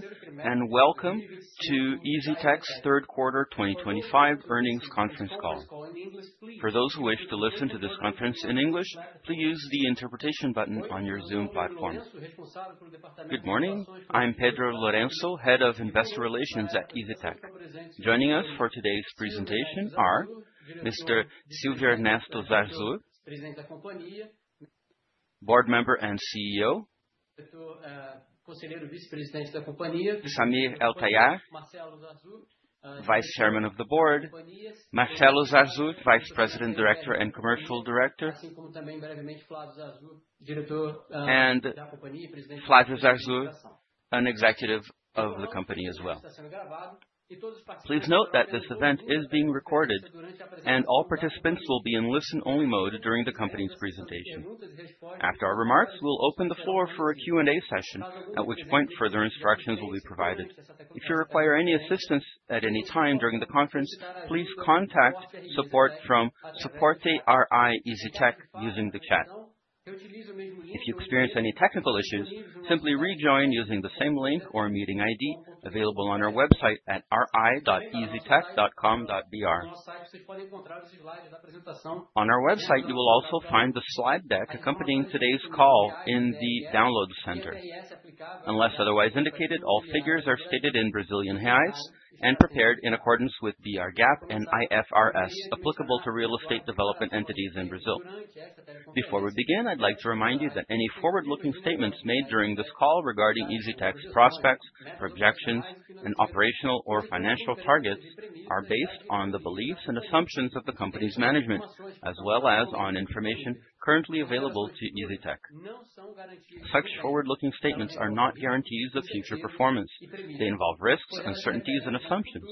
Good Good morning. Morning. I'm Pedro Lorenzo, Head of Investor Relations at Isitec. Joining us for today's presentation are Mr. Silvio Ernesto Zarzaur, Board member and CEO, Samir El Tayar, Vice Chairman of the Board, Marcelo Zarzaur, Vice President, Director and Commercial Director, Vlad Rasarzour, an Executive of the company as well. Please note that this event is being recorded and all participants will be in listen only mode during the company's presentation. After our remarks, we'll open the floor for a Q and A session, at which point further instructions will be provided. If you experience any technical issues, simply rejoin using the same link or meeting ID available on our website at ri.eztech.com.br. On our website, you will also find the slide deck accompanying today's call in the Download Center. Unless otherwise indicated, all figures are stated in Brazilian reals and prepared in accordance with BR GAAP and IFRS applicable to real estate development entities in Brazil. Before we begin, I'd like to remind you that any forward looking statements made during this call regarding EasyTech's prospects, projections and operational or financial targets are based on the beliefs and assumptions of the company's management as well as on information currently available to Iritech. Such forward looking statements are not guarantees of future performance. They involve risks, uncertainties and assumptions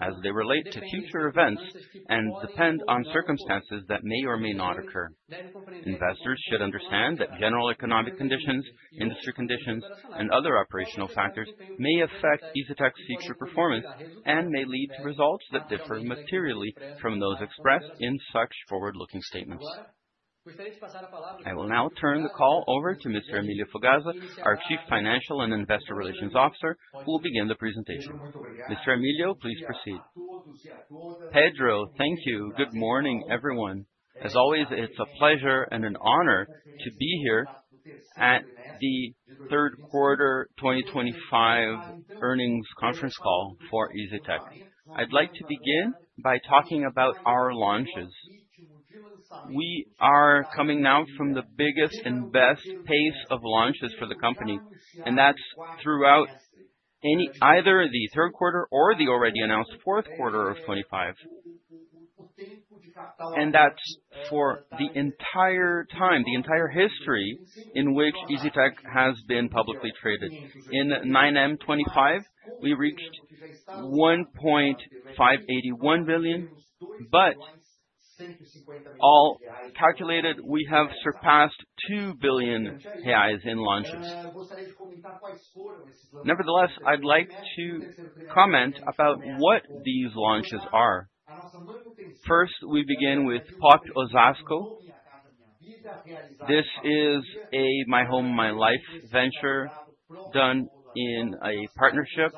as they relate to future events and depend on circumstances that may or may not occur. Investors should understand that general economic conditions, industry conditions and other operational factors may affect Isatek's future performance and may lead to results that differ materially from those expressed in such forward looking statements. I will now turn the call over to Mr. Emilio Fogazza, our Chief Financial and Investor Relations Officer, who will begin the presentation. Mr. Emilio, please proceed. Pedro, thank you. Good morning, everyone. As always, it's a pleasure and an honor to be here at the third quarter twenty twenty five earnings conference call for EZTEC. I'd like to begin by talking about our launches. We are coming out from the biggest and best pace of launches for the company, and that's throughout any either the third quarter or the already announced '25. And that's for the entire time, the entire history in which easy tech has been publicly traded. In 09/2025, we reached 1,581,000,000. But all calculated, have surpassed 2,000,000,000 reais in launches. Nevertheless, I'd like to comment about what these launches are. First, we begin with Pot Osasco. This is a My Home, My Life venture done in a partnership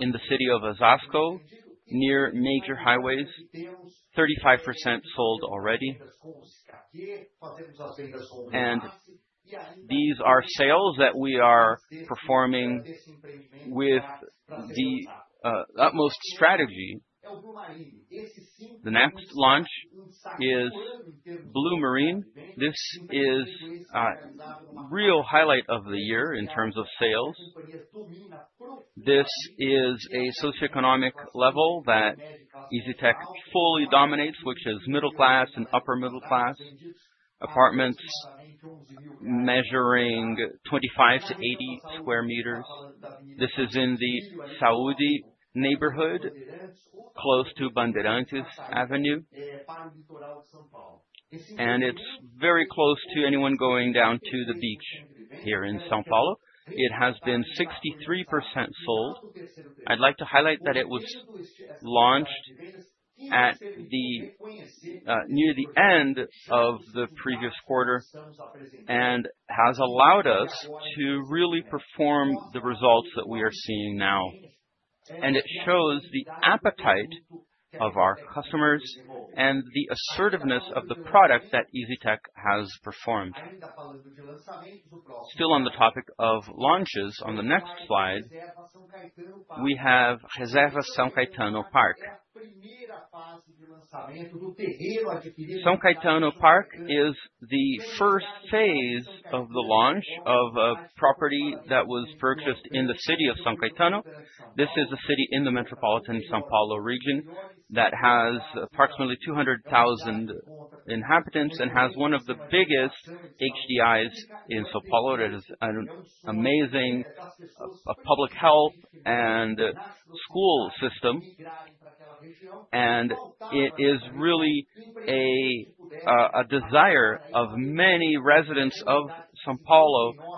in the city of Osasco near major highways, 35% sold already. And these are sales that we are performing with the, utmost strategy. The next launch is Blue Marine. This is a real highlight of the year in terms of sales. This is a socioeconomic level that EZTEC fully dominates, which is middle class and upper middle class apartments measuring 25 to 80 square meters. This is in the Saudi neighborhood close to Bandeirancas Avenue, and it's very close to anyone going down to the beach here in Sao Paulo. It has been 63% sold. I'd like to highlight that it was launched at the, near the end of the previous quarter and has allowed us to really perform the results that we are seeing now. And it shows the appetite of our customers and the assertiveness of the product that EZTEC has performed. Still on the topic of launches on the next slide, we have Giza San Quaitano Park. San Quaitano Park is the first phase of the launch of a property that was purchased in the city of Sao Caetano. This is a city in the metropolitan Sao Paulo region that has approximately 200,000 inhabitants and has one of the biggest HDIs in Sao Paulo. It is an amazing public health and school system, and it is really a, a desire of many residents of Sao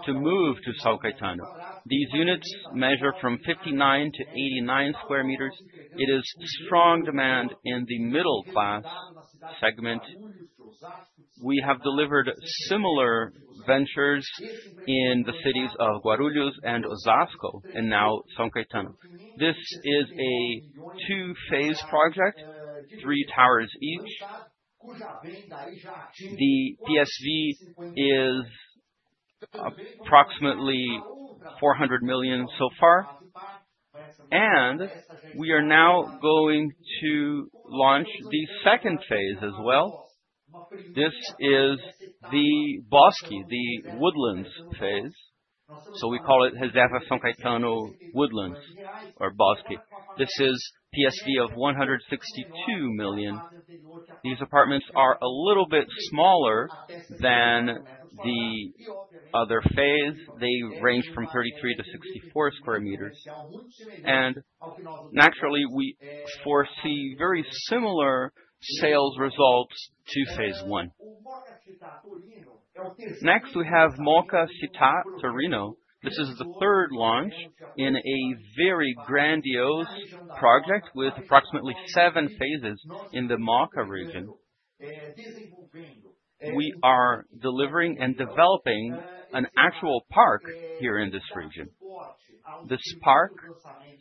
to move to Sao Caetano. These units measure from 59 to 89 square meters. It is strong demand in the middle class segment. We have delivered similar ventures in the cities of Guarulhos and Osasco and now Sonqueitano. This is a two phase project, three towers each. The PSV is approximately 400,000,000 so far. And we are now going to launch the second phase as well. This is the Bosque, the woodlands phase. So we call it Woodlands or Bosque. This is PSV of 162,000,000. These apartments are a little bit smaller than the other phase. They range from 33 to 64 square meters. And naturally, we foresee very similar sales results to Phase one. Next, we have Mocha Sitta Torino. This is the third launch in a very grandiose project with approximately seven phases in the Mocha region. We are delivering and developing an actual park here in this region. This park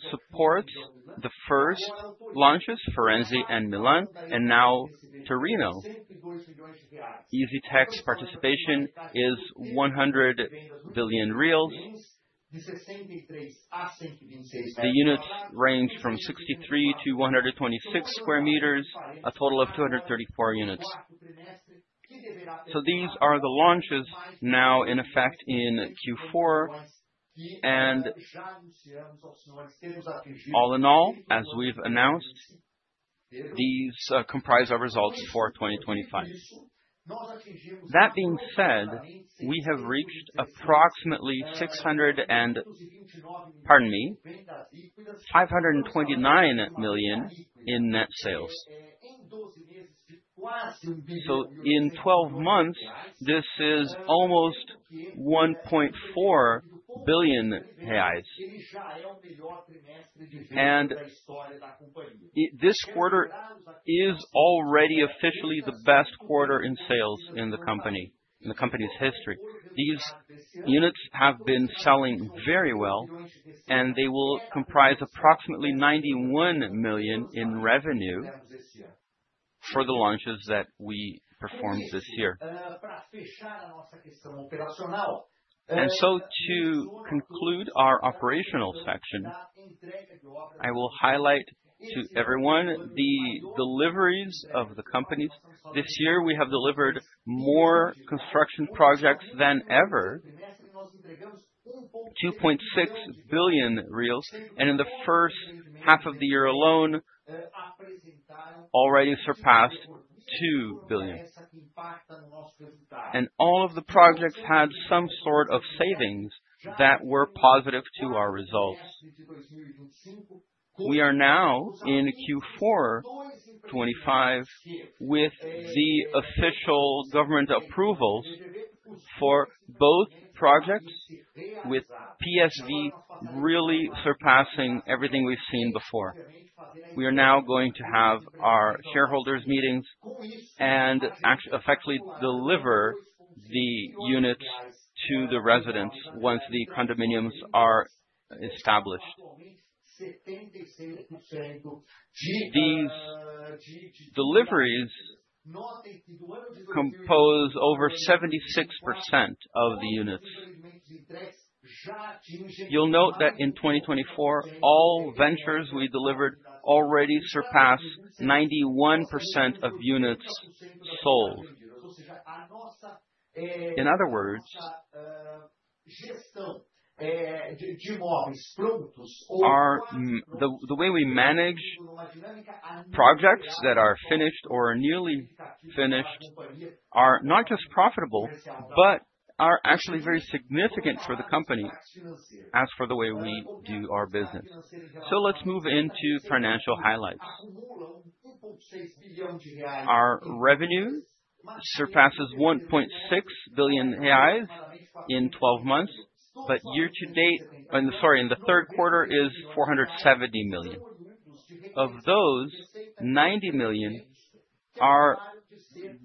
supports the first launches, Forensi and Milan and now to Reno. EZTEC's participation is 100,000,000,000 reals. The units range from 63 to 126 square meters, a total of 234 units. So these are the launches now in effect in Q4. And all in all, as we've announced, these comprise our results for 2025. That being said, we have reached approximately 600 and pardon me, 29,000,000 in net sales. So in twelve months, this is almost 1,400,000,000.0. And this quarter is already officially the best quarter in sales in the company, in the company's history. These units have been selling very well, and they will comprise approximately 91,000,000 in revenue for the launches that we performed this year. And so to conclude our operational section, I will highlight to everyone the deliveries of the companies. This year, we have delivered more construction projects than ever, 2,600,000,000.0. And in the first half of the year alone, already surpassed 2,000,000,000. And all of the projects had some sort of savings that were positive to our results. We are now in Q4 'twenty five with the official government approvals for both projects with PSV really surpassing everything we've seen before. We are now going to have our shareholders meetings and act effectively deliver the units to the residents once the condominiums are established. These deliveries compose over 76% of the units. You'll note that in 2024, all ventures we delivered already surpassed 91% of units sold. In other words, our the the way we manage projects that are finished or nearly finished are not just profitable, but are actually very significant for the company as for the way we do our business. So let's move into financial highlights. Our revenue surpasses 1,600,000,000.0 reais in twelve months, but year to date sorry, in the third quarter is BRL $470,000,000. Of those, 90,000,000 are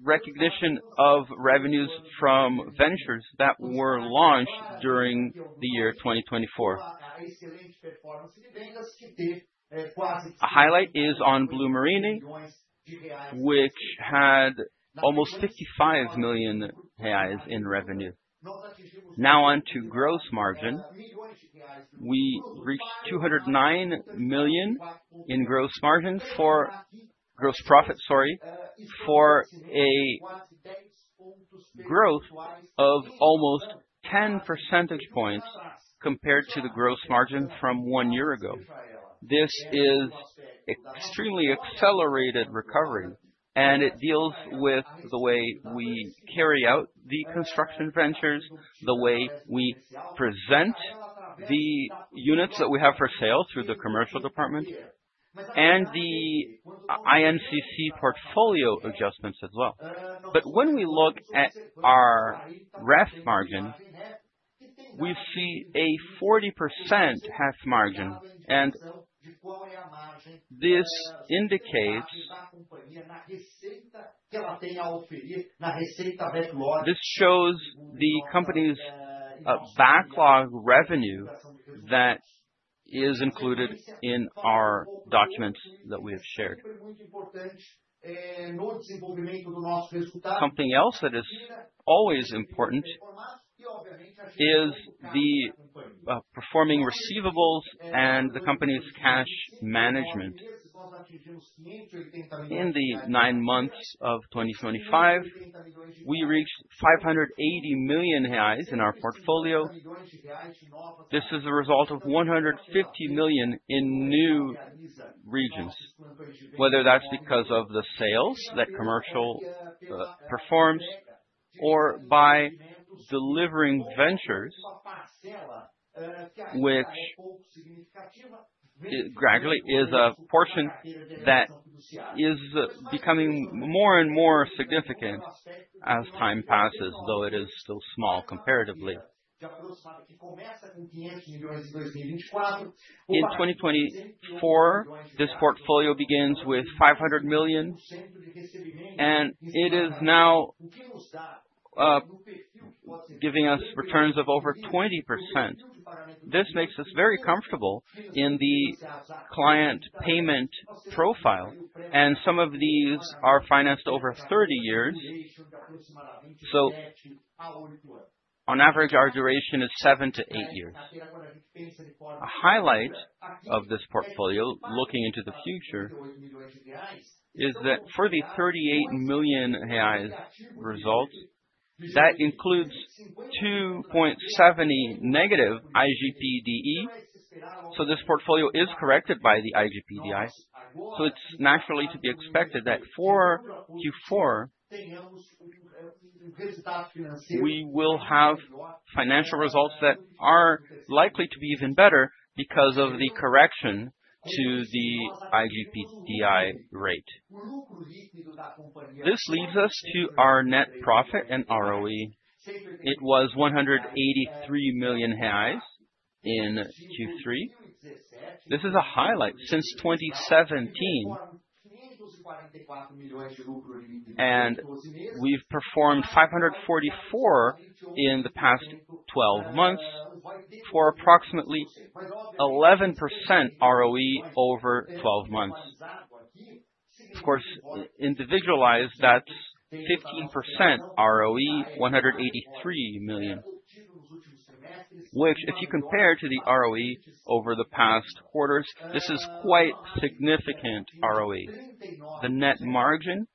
recognition of revenues from ventures that were launched during the year 2024. A highlight is on Blue Marini, which had almost 65,000,000 reais in revenue. Now on to gross margin. We reached BRL $2.00 9,000,000 in gross margin for gross profit, sorry, for a growth of almost 10 percentage points compared to the gross margin from one year ago. This is extremely accelerated recovery, and it deals with the way we carry out the construction ventures, the way we present the units that we have for sale through the commercial department and the INCC portfolio adjustments as well. But when we look at our RAST margin, we see a 40% half margin, and this indicates this shows the company's backlog revenue that is included in our documents that we have shared. Something else that is always important is the performing receivables and the company's cash management. In the nine months of 2025, we reached $580,000,000 in our portfolio. This is a result of million in new regions, whether that's because of the sales that commercial performs or by delivering ventures, which gradually is a portion that is becoming more and more significant as time passes, though it is still small comparatively. In 2024, this portfolio begins with $500,000,000 and it is now giving us returns of over 20%. This makes us very comfortable in the client payment profile, and some of these are financed over thirty years. So on average, duration is seven to eight years. A highlight of this portfolio looking into the future is that for the 38 million reais results, that includes 2.7 negative IGPDE. So this portfolio is corrected by the IGPDI. So it's naturally to be expected that for Q4, we will have financial results that are likely to be even better because of the correction to the IGPTI rate. This leads us to our net profit and ROE. It was 183,000,000 in Q3. This is a highlight since 2017, and we've performed five forty four in the past twelve months for approximately 11% ROE over twelve months. Of course, individualized, that's 15% ROE, 183,000,000, which if you compare to the ROE over the past quarters, this is quite significant ROE. The net margin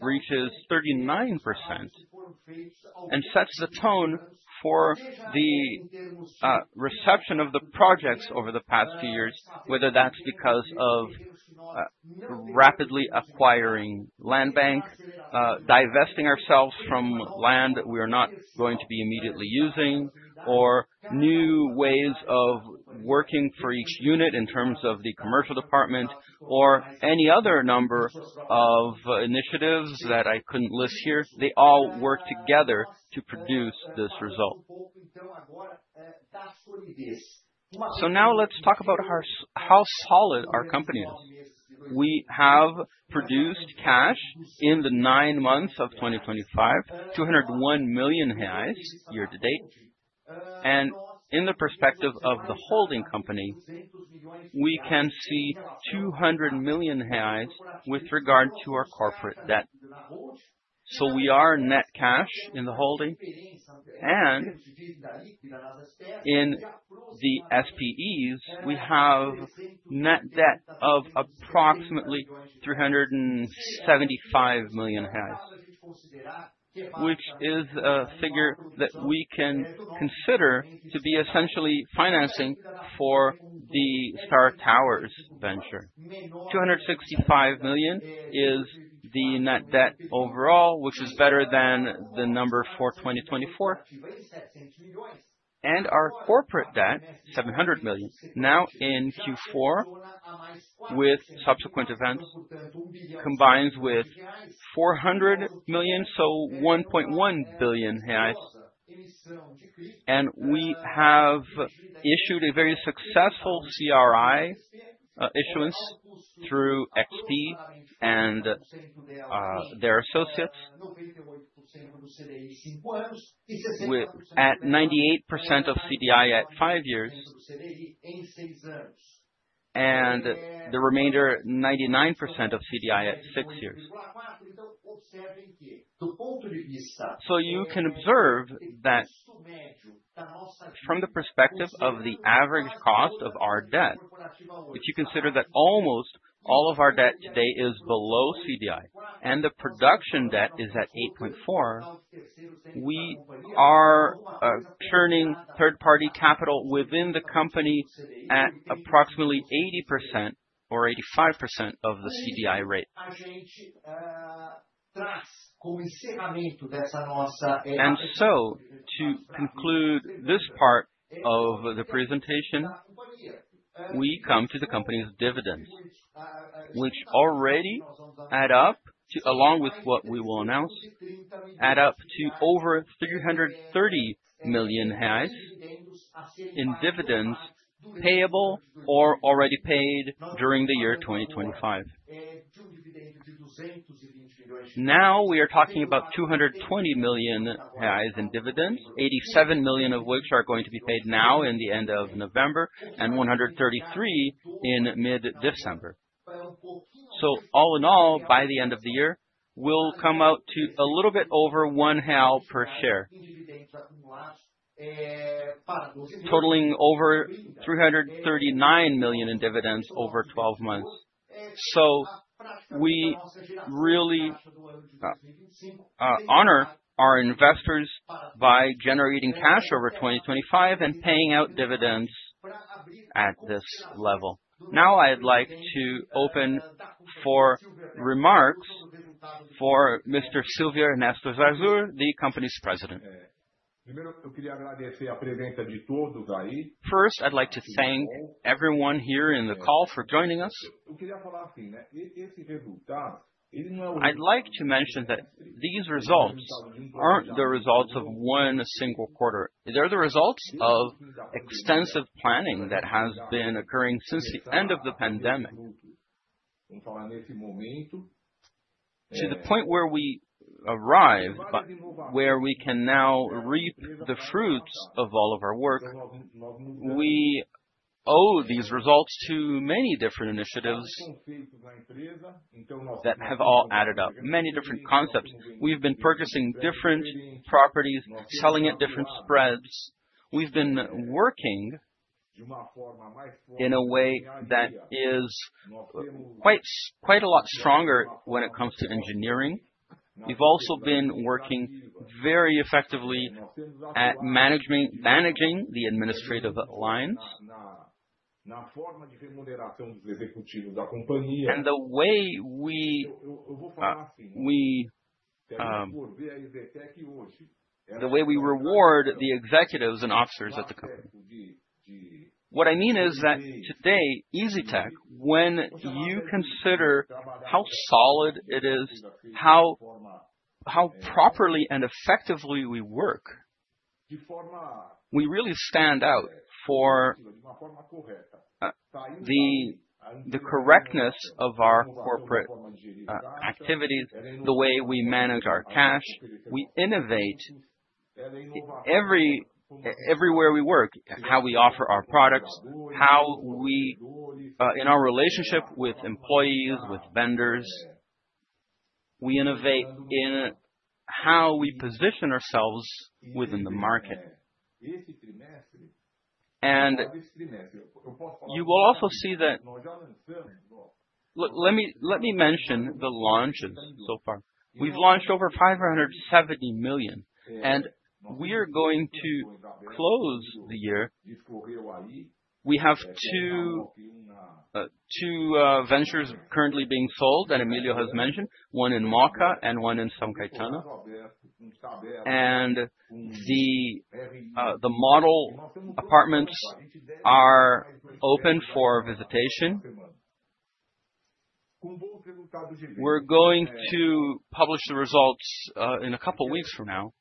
reaches 39% and sets the tone for the, reception of the projects over the past few years, whether that's because of rapidly acquiring land banks, divesting ourselves from land that we are not going to be immediately using or new ways of working for each unit in terms of the commercial department or any other number of initiatives that I couldn't list here, they all work together to produce this result. So now let's talk about how how solid our company is. We have produced cash in the nine months of 2025, 201,000,000 reais year to date. And in the perspective of the holding company, we can see 200,000,000 with regard to our corporate debt. So we are net cash in the holding. And in the SPEs, we have net debt of approximately $375,000,000, which is a figure that we can consider to be essentially financing for the Star Towers venture. $265,000,000 is the net debt overall, which is better than the number for 2024. And our corporate debt, 700,000,000. Now in Q4 with subsequent events, combines with 400,000,000, so 1,100,000,000.0 reais. And we have issued a very successful CRI issuance through XP and their associates with at 98% of CDI at five years and the remainder, 99% of CDI at six years. So you can observe that from the perspective of the average cost of our debt, if you consider that almost all of our debt today is below CDI and the production debt is at 8.4, we are turning third party capital within the company at approximately 80% or 85% of the CDI rate. And so to conclude this part of the presentation, we come to the company's dividend, which already add up to along with what we will announce, add up to over BRL $330,000,000 in dividends payable or already paid during the year 2025. Now we are talking about BRL $220,000,000 in dividends, 87,000,000 of which are going to be paid now in the November and 133,000,000 in mid December. So all in all, by the end of the year, we'll come out to a little bit over 1 per share, totaling over $339,000,000 in dividends over twelve months. So we really honor our investors by generating cash over 2025 and paying out dividends at this level. Now I'd like to open for remarks for Mr. Silvia Ernesto Zazur, the company's president. First, I'd like to thank everyone here in the call for joining us. I'd like to mention that these results aren't the results of one single quarter. They're the results of extensive planning that has been occurring since the end of the pandemic. To the point where we arrive, where we can now reap the fruits of all of our work, we owe these results to many different initiatives that have all added up, many different concepts. We've been purchasing different properties, selling at different spreads. We've been working in a way that is quite quite a lot stronger when it comes to engineering. We've also been working very effectively at management managing the administrative lines. And the way we we the way we reward the executives and officers at the what I mean is that today, EZTEC, when you consider how solid it is, how how properly and effectively we work, we really stand out for the the correctness of our corporate activities, the way we manage our cash. We innovate every everywhere we work, how we offer our products, how we in our relationship with employees, with vendors, we innovate in how we position ourselves within the market. And you will also see that let me let me mention the launches so far. We've launched over 570,000,000, and we are going to close the year. We have two two ventures currently being sold that Emilio has mentioned, one in MoCA and one in Songkaitana. And the the model apartments are open for visitation. We're going to publish the results in a couple of weeks from now,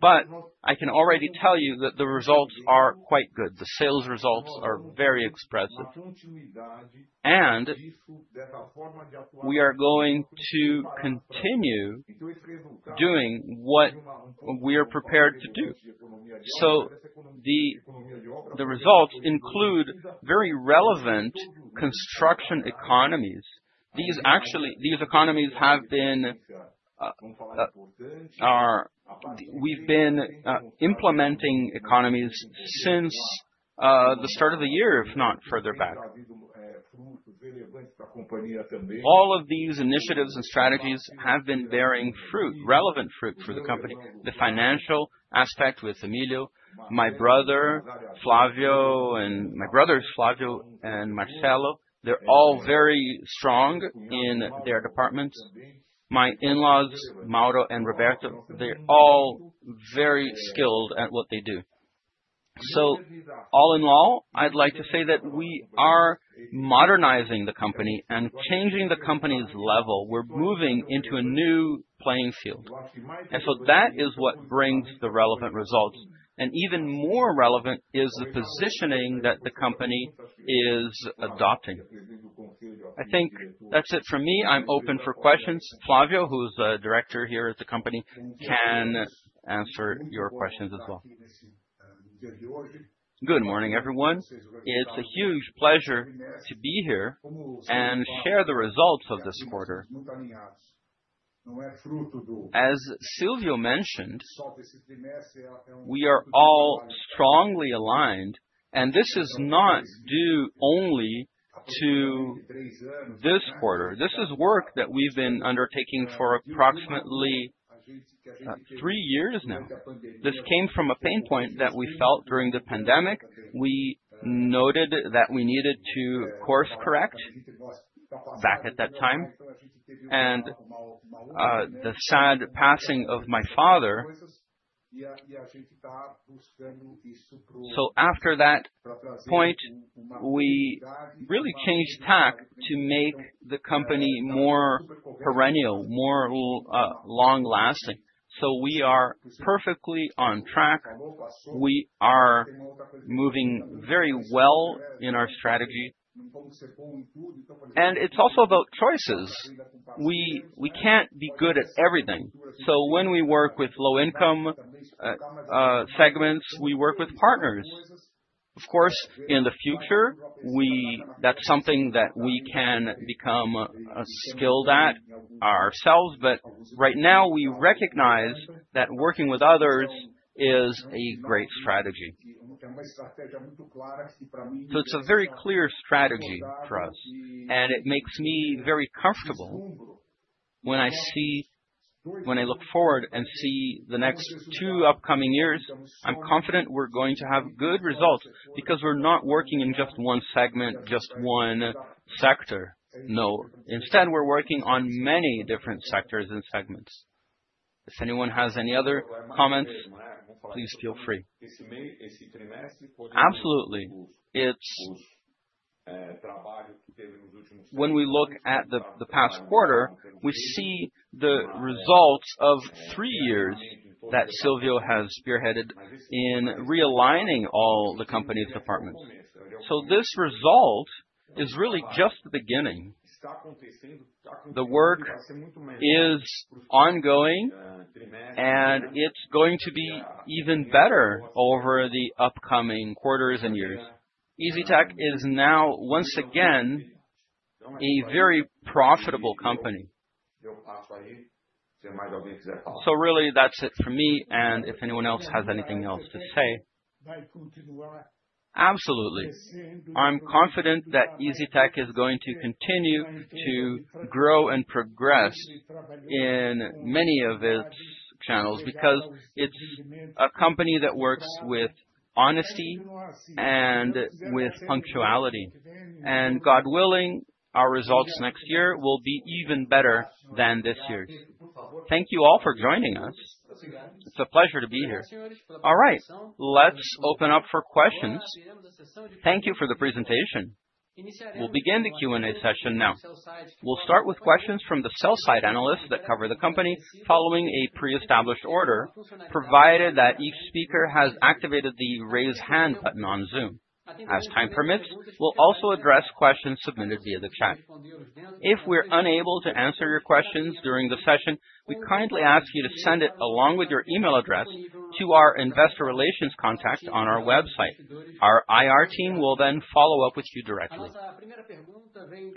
but I can already tell you that the results are quite good. The sales results are very expressive. And we are going to continue doing what we are prepared to do. So the the results include very relevant construction economies. These actually these economies have been our we've been implementing economies since, the start of the year, if not further back. All of these initiatives and strategies have been bearing fruit, relevant fruit for the company. The financial aspect with Emilio, my brother, Flavio and my brothers, Flavio and Marcelo, they're all very strong in their departments. My in laws, Mauro and Roberto, they're all very skilled at what they do. So all in all, I'd like to say that we are modernizing the company and changing the company's level. We're moving into a new playing field. And so that is what brings the relevant results. And even more relevant is the positioning that the company is adopting. I think that's it for me. I'm open for questions. Flavio, who's the Director here at the company, can answer your questions as well. Good morning, everyone. It's a huge pleasure to be here and share the results of this quarter. As Silvio mentioned, we are all strongly aligned, and this is not due only to this quarter. This is work that we've been undertaking for approximately, three years now. This came from a pain point that we felt during the pandemic. We noted that we needed to course correct back at that time. And the sad passing of my father. So after that point, we really changed tack to make the company more perennial, more long lasting. So we are perfectly on track. We are moving very well in our strategy. And it's also about choices. We can't be good at everything. So when we work with low income segments, we work with partners. Of course, in the future, we that's something that we can become skilled at ourselves. But right now, we recognize that working with others is a great strategy. So it's a very clear strategy for us, and it makes me very comfortable when I see when I look forward and see the next two upcoming years, I'm confident we're going to have good results because we're not working in just one segment, just one sector. No. Instead, we're working on many different sectors and segments. If anyone has any other comments, please feel free. Absolutely. It's when we look at the past quarter, we see the results of three years that Silvio has spearheaded in realigning all the company's departments. So this result is really just the beginning. The work is ongoing, and it's going to be even better over the upcoming quarters and years. EZTEC is now once again a very profitable company. So really, that's it for me. And if anyone else has anything else to say, absolutely. I'm confident that EZTEC is going to continue to grow and progress in many of its channels because it's a company that works with honesty and with punctuality. And God willing, our results next year will be even better than this year. Thank you all for joining us. It's a pleasure to be here. All right. Let's open up for questions. Thank you for the presentation. We'll begin the Q and A session now. We'll start with questions from the sell side analysts that cover the company following a pre established order provided that each speaker has activated the raise hand button on Zoom. As time permits, we'll also address questions submitted via the chat. If we're unable to answer your questions during the session, we kindly ask you to send it along with your e mail address to our Investor Relations contact on our website. Our IR team will then follow-up with you directly.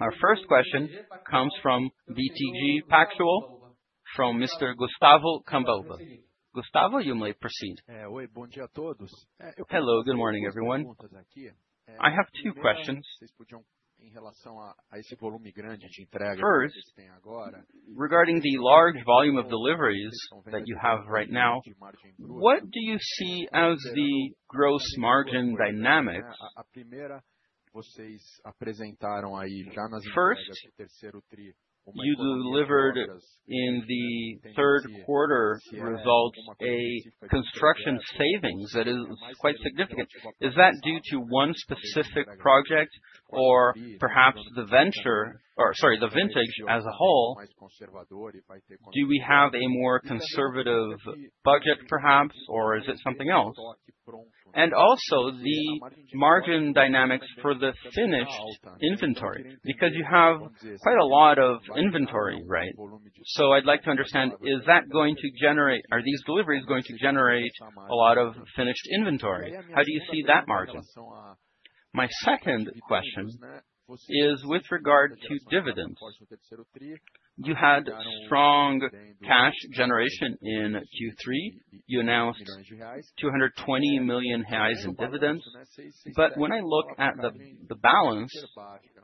Our first question comes from BTG Pactual from Mr. Gustavo Kambova. Gustavo, you may proceed. Hello. Good morning, everyone. I have two questions. First, regarding the large volume of deliveries that you have right now, what do you see as the gross margin dynamics? First, you delivered in the third quarter results a construction savings that is quite significant. Is that due to one specific project or perhaps the venture or sorry, the vintage as a whole? Do we have a more conservative budget perhaps? Or is it something else? And also the margin dynamics for the finished inventory because you have quite a lot of inventory. Right? So I'd like to understand, is that going to generate are these deliveries going to generate a lot of finished inventory? How do you see that margin? My second question is with regard to dividends. You had strong cash generation in Q3. You announced 220 million in dividends. But when I look at the balance,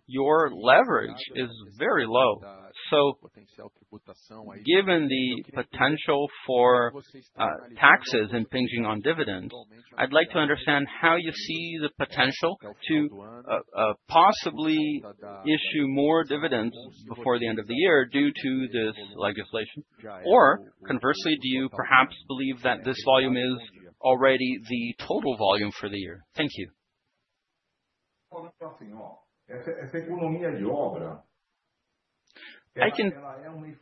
your leverage is very low. So given the potential for taxes impinging on dividends, I'd like to understand how you see the potential to possibly issue more dividends before the end of the year due to this legislation? Or conversely, do you perhaps believe that this volume is already the total volume for the year? Thank you. I can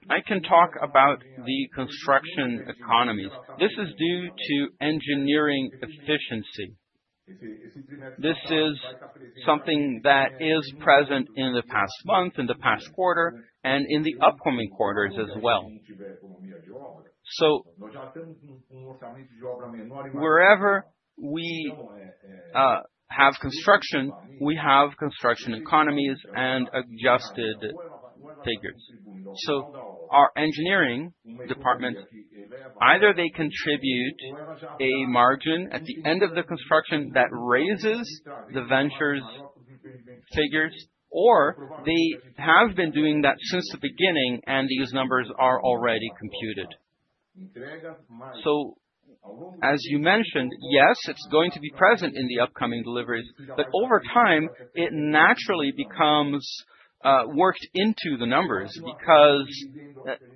I can talk about the construction economies? This is due to engineering efficiency. This is something that is present in the past month, in the past quarter and in the upcoming quarters as well. So wherever we have construction, we have construction economies and adjusted figures. So our engineering department, either they contribute a margin at the end of the construction that raises the ventures figures or they have been doing that since the beginning and these numbers are already computed. So as you mentioned, yes, it's going to be present in the upcoming deliveries. But over time, it naturally becomes worked into the numbers because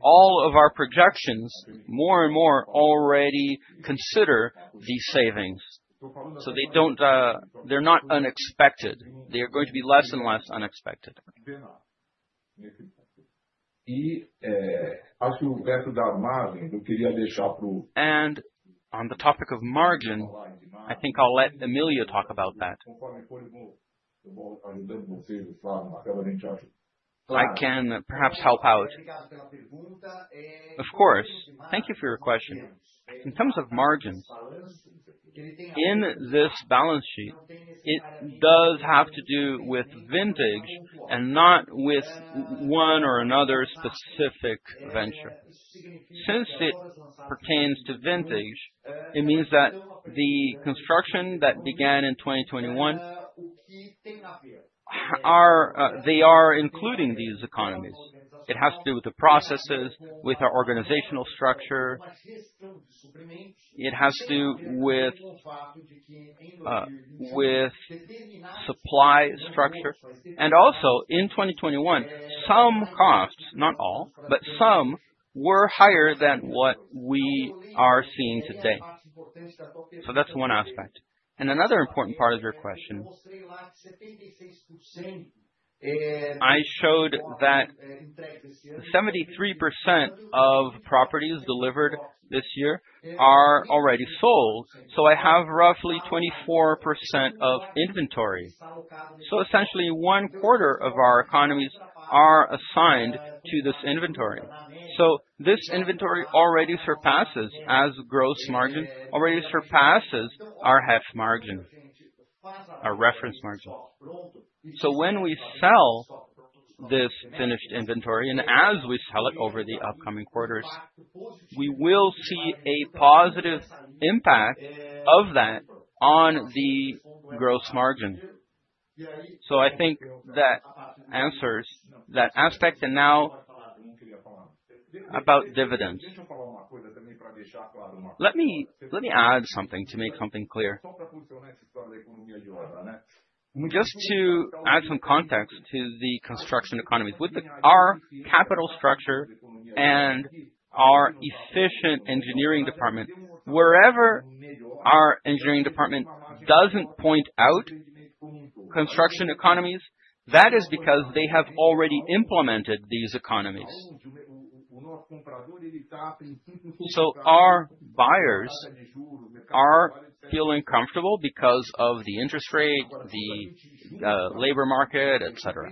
all of our projections, more and more already consider these savings. So they don't they're not unexpected. They are going to be less and less unexpected. And on the topic of margin, I think I'll let Emilio talk about that. I can perhaps help out. Of course. Thank you for your question. In terms of margins, in this balance sheet, it does have to do with vintage and not with one or another specific venture. Since it pertains to vintage, it means that the construction that began in 2021 are, they are including these economies. It has to do with the processes, with our organizational structure. It has to do with, with supply structure. And also in 2021, some costs, not all, but some were higher than what we are seeing today. So that's one aspect. And another important part of your question, I showed that 73% of properties delivered this year are already sold. So I have roughly 24% of inventory. So essentially, one quarter of our economies are assigned to this inventory. So this inventory already surpasses as gross margin already surpasses our half margin, our reference margin. So when we sell this finished inventory and as we sell it over the upcoming quarters, we will see a positive impact of that on the gross margin. So I think that answers that aspect and now about dividends. Let me add something to make something clear. Just to add some context to the construction economy with our capital structure and our efficient engineering department, wherever our engineering department doesn't point out construction economies, that is because they have already implemented these economies. So our buyers are feeling comfortable because of the interest rate, the labor market, etcetera.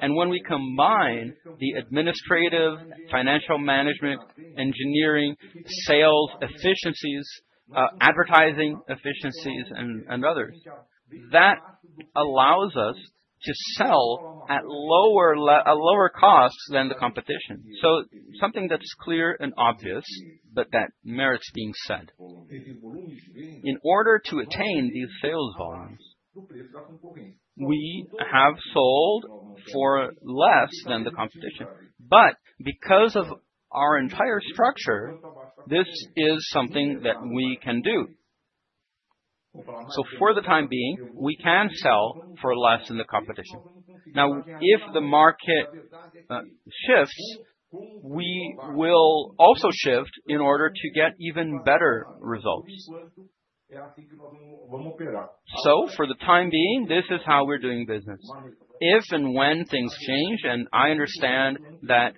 And when we combine the administrative, financial management, engineering, sales efficiencies, advertising efficiencies and others. That allows us to sell at lower cost than the competition. So something that's clear and obvious, but that merits being said. In order to attain these sales volumes, we have sold for less than the competition. But because of our entire structure, this is something that we can do. So for the time being, we can sell for less than the competition. Now if the market shifts, we will also shift in order to get even better results. So for the time being, this is how we're doing business. If and when things change, and I understand that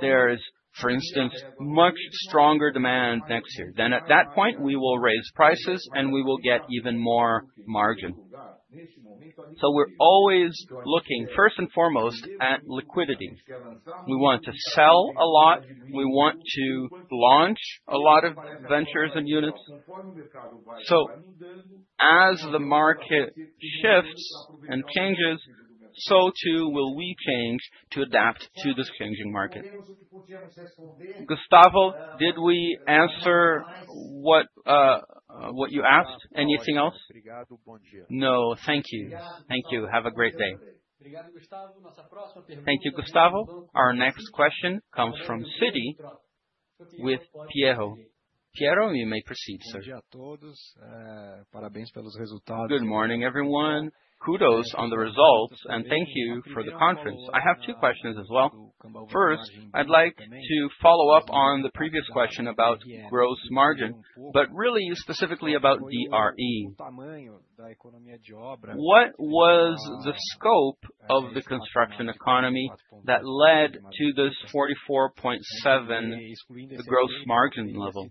there is, for instance, much stronger demand next year, then at that point, we will raise prices, and we will get even more margin. So we're always looking, first and foremost, at liquidity. We want to sell a lot. We want to launch a lot of ventures and units. So as the market shifts and changes, so too will we change to adapt to this changing market. Gustavo, did we answer what you asked? Anything else? No. Thank you. Thank you. Have a great day. Thank you, Gustavo. Our next question comes from Citi with Pietro. Pietro, you may proceed, sir. Good morning, everyone. Kudos on the results, and thank you for the conference. I have two questions as well. First, I'd like to follow-up on the previous question about gross margin, but really specifically about DRE. What was the scope of the construction economy that led to this 44.7 gross margin level?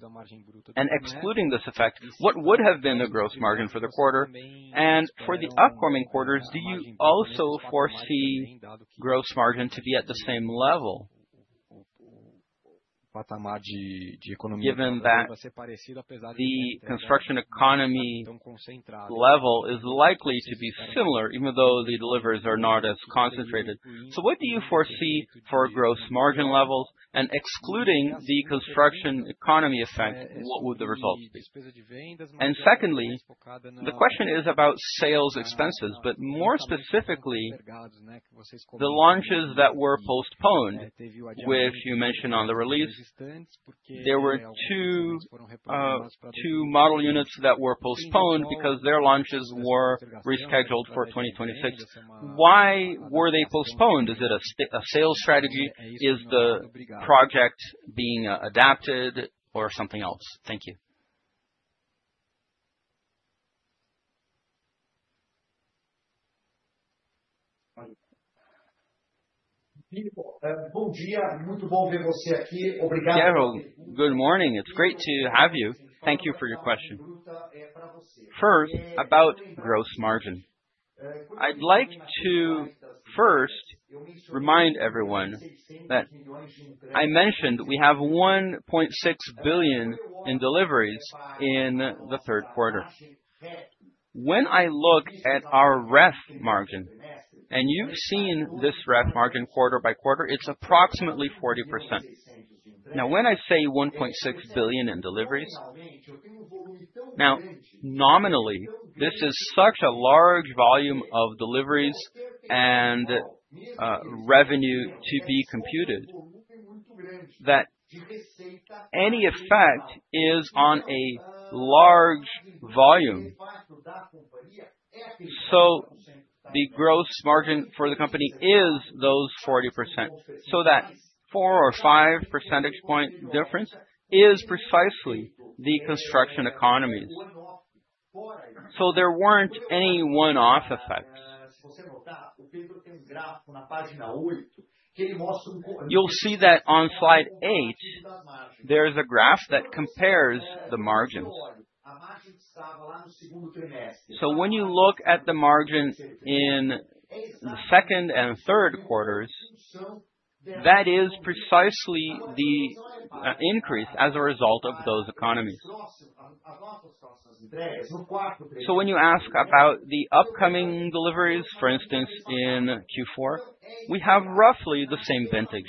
And excluding this effect, what would have been the gross margin for the quarter? And for the upcoming quarters, do you also foresee gross margin to be at the same level given that the construction economy level is likely to be similar even though the deliveries are not as concentrated. So what do you foresee for gross margin levels? And excluding the construction economy effect, what would the result? And secondly, the question is about sales expenses, but more specifically, the launches that were postponed, which you mentioned on the release, there were two model units that were postponed because their launches were rescheduled for 2026. Why were they postponed? Is it a stick a sales strategy? Is the project being adapted or something else? Thank you. Gerald, good morning. It's great to have you. Thank you for your question. First, about gross margin. I'd like to first remind everyone that I mentioned we have 600,000,000.0 in deliveries in the third quarter. When I look at our rev margin, and you've seen this rev margin quarter by quarter, it's approximately 40%. Now when I say 1,600,000,000.0 in deliveries, now nominally, this is such a large volume of deliveries and, revenue to be computed that any effect is on a large volume. So the gross margin for the company is those 40%. So that four or five percentage point difference is precisely the construction economies. So there weren't any one off effects. You'll see that on Slide eight, there is a graph that compares the margins. So when you look at the margins in the second and third quarters, that is precisely the increase as a result of those economies. So when you ask about the upcoming deliveries, for instance, in q four, we have roughly the same vintage.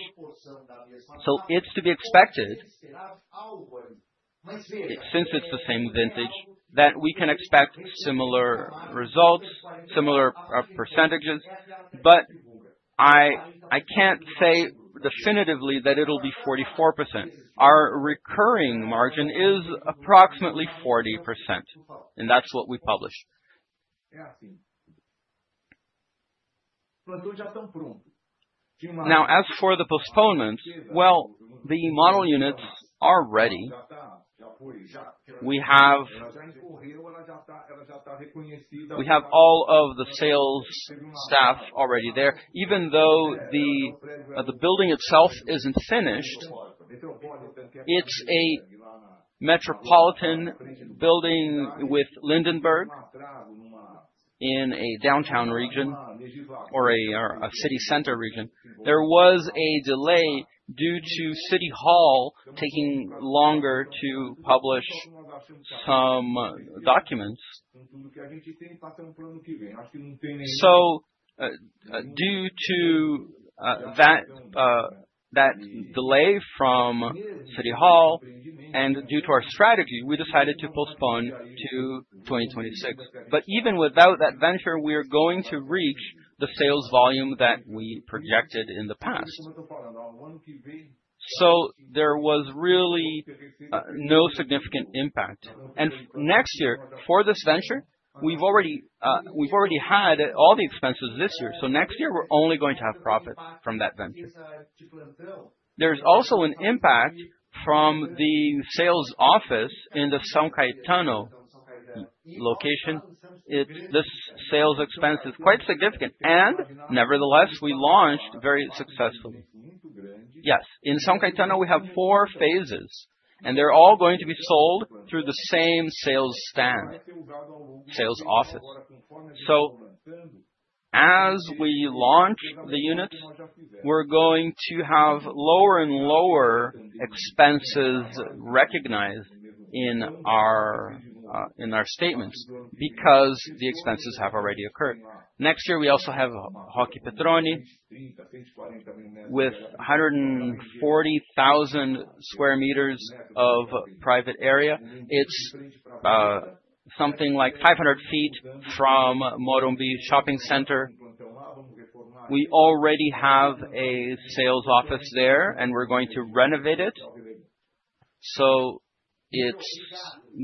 So it's to be expected since it's the same vintage that we can expect similar results, similar percentages. But I I can't say definitively that it'll be 44%. Our recurring margin is approximately 40%, and that's what we published. Now as for the postponements, well, the model units are ready. We have all of the sales staff already there. Even though the building itself isn't finished, it's a metropolitan building with Lindenberg in a downtown region or a city center region. There was a delay due to city hall taking longer to publish some documents. So due to that delay from city hall and due to our strategy, we decided to postpone to 2026. But even without that venture, we are going to reach the sales volume that we projected in the past. So there was really no significant impact. And next year, for this venture, we've already we've already had all the expenses this year. So next year, we're only going to have profits from that venture. There's also an impact from the sales office in the Songkai Tunno location. It this sales expense is quite significant. And nevertheless, we launched very successfully. Yes. In Sao Caitano, we have four phases, and they're all going to be sold through the same sales stand, sales office. So as we launch the units, we're going to have lower and lower expenses recognized in our statements because the expenses have already occurred. Next year, we also have Hockey Petroni with 140,000 square meters of private area. It's something like 500 feet from Moronvi Shopping Center. We already have a sales office there, and we're going to renovate it. So it's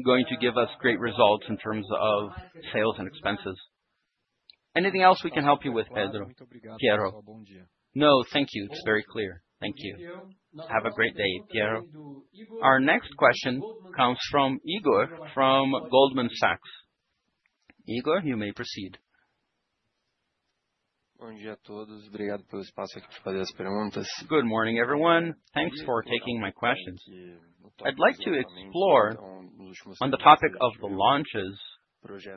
going to give us great results in terms of sales and expenses. Anything else we can help you with, Pedro? Piero? Thank you. It's very clear. Thank you. Have a great day, Piero. Our next question comes from Igor from Goldman Sachs. Igor, you may proceed. Good morning, everyone. Thanks for taking my questions. I'd like to explore on the topic of the launches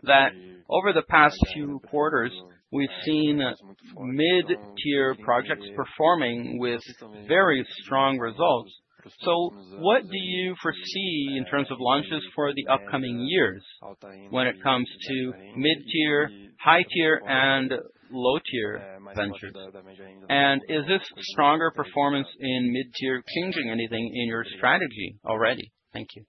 that over the past few quarters, we've seen mid tier projects performing with very strong results. So what do you foresee in terms of launches for the upcoming years when it comes to mid tier, high tier and low tier ventures? And is this stronger performance in mid tier changing anything in your strategy already? Thank you.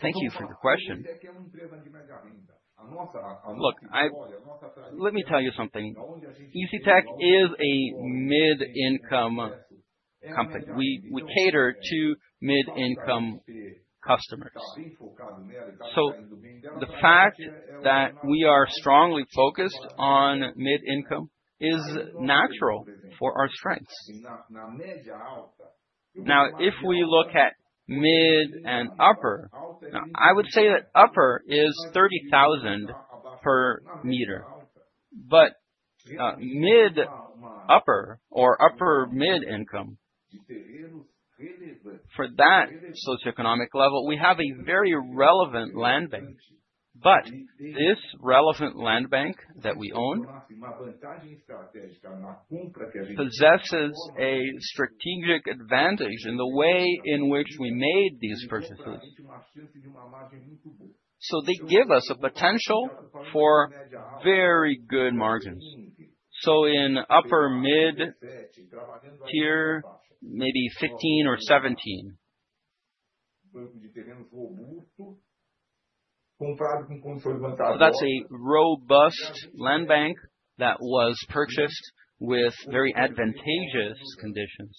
Thank you for the question. Look. I let me tell you something. EasyTech is a mid income company. We we cater to mid income customers. So the fact that we are strongly focused on mid income is natural for our strengths. Now if we look at mid and upper, I would say that upper is 30,000 per meter. But mid upper or upper mid income for that socioeconomic level, we have a very relevant land bank. But this relevant land bank that we own possesses a strategic advantage in the way in which we made these purchases. So they give us a potential for very good margins. So in upper mid tier, maybe 15 or 17. That's a robust land bank that was purchased with very advantageous conditions.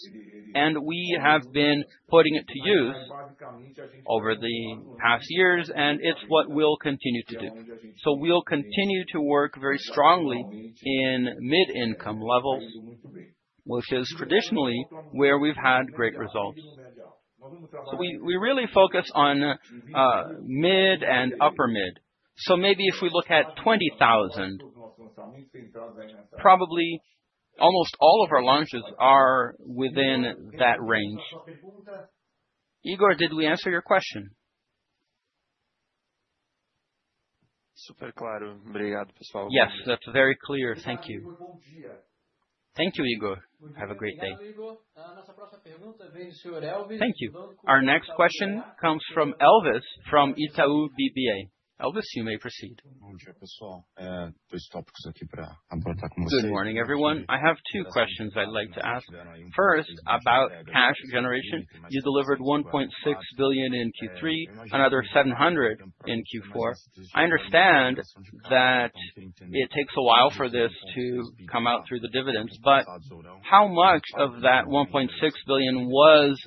And we have been putting it to use over the past years, and it's what we'll continue to do. So we'll continue to work very strongly in mid income levels, which is traditionally where we've had great results. So we really focus on, mid and upper mid. So maybe if we look at 20,000, probably almost all of our launches are within that range. Igor, did we answer your question? Yes. That's very clear. Thank you. Thank you, Igor. Have a great day. Thank you. Our next question comes from Elvis from Itau BBA. Elvis, you may proceed. Good morning, everyone. I have two questions I'd like to ask. First, about cash generation. You delivered 1,600,000,000.0 in Q3, another 700,000,000 in Q4. I understand that it takes a while for this to come out through the dividends. But how much of that $1,600,000,000 was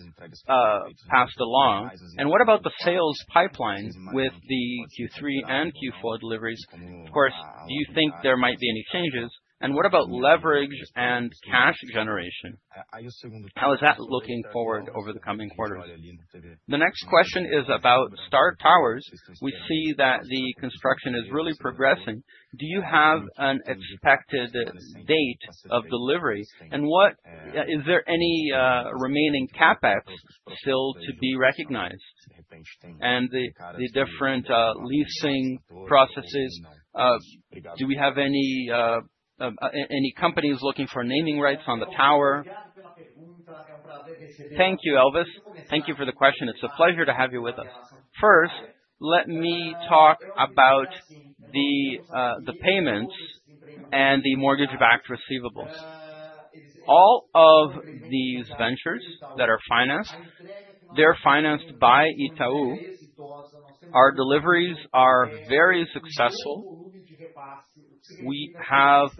passed along? And what about the sales pipeline with the Q3 and Q4 deliveries? Of course, do you think there might be any changes? And what about leverage and cash generation? How is that looking forward over the coming quarters? The next question is about Star Towers. We see that the construction is really progressing. Do you have an expected date of delivery? And what is there any remaining CapEx still to be recognized? And the the different, leasing processes, do we have any, any companies looking for naming rights on the tower? Thank you, Elvis. Thank you for the question. It's a pleasure to have you with us. First, let me talk about the, the payments and the mortgage backed receivables. All of these ventures that are financed, they're financed by Itau. Our deliveries are very successful. We have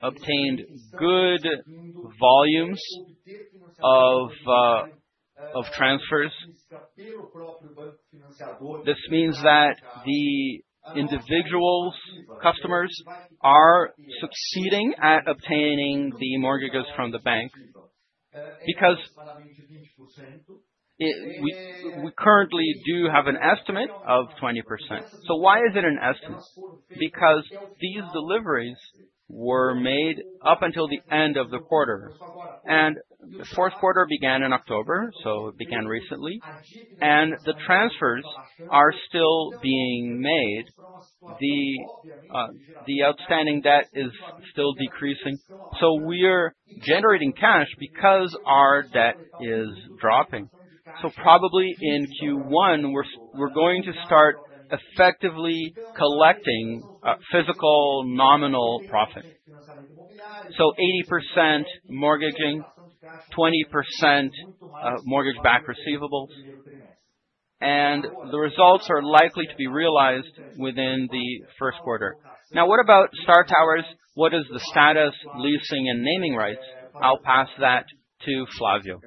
obtained good volumes of transfers. This means that the individuals, customers are succeeding at obtaining the mortgages from the bank because we we currently do have an estimate of 20%. So why is it an estimate? Because these deliveries were made up until the end of the quarter. And the fourth quarter began in October, so it began recently. And the transfers are still being made. The outstanding debt is still decreasing. So we are generating cash because our debt is dropping. So probably in Q1, we're going to start effectively collecting physical nominal profit. So 80% mortgaging, 20% mortgage backed receivables. And the results are likely to be realized within the first quarter. Now what about Star Towers? What is the status, leasing, and naming rights? I'll pass that to Flavio.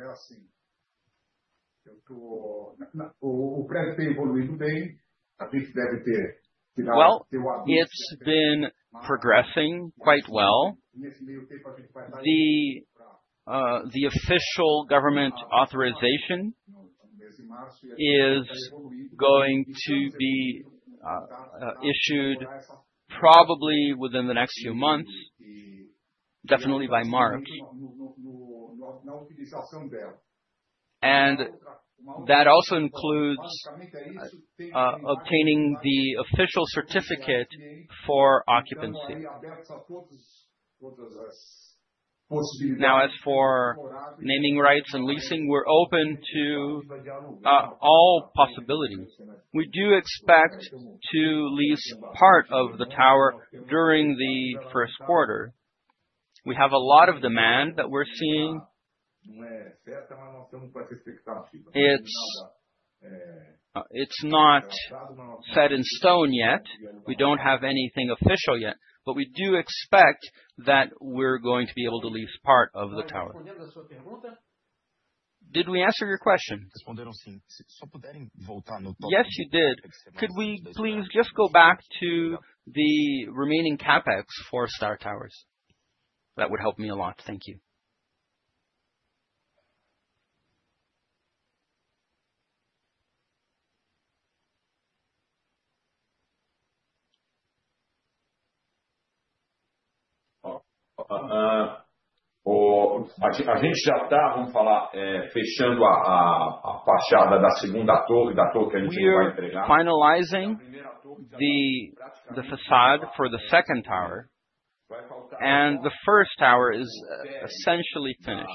Well, it's been progressing quite well. The the official government authorization is going to be issued probably within the next few months, definitely by Marx. And that also includes obtaining the official certificate for occupancy. Now as for naming rights and leasing, we're open to, all possibilities. We do expect to lease part of the tower during the first quarter. We have a lot of demand that we're seeing. It's it's not set in stone yet. We don't have anything official yet, but we do expect that we're going to be able to lease part of the tower. Did we answer your question? Yes, did. Could we please just go back to the remaining CapEx for Star Towers? That would help me a lot. Thank you. Finalizing the the facade for the second Tower, and the first tower is essentially finished.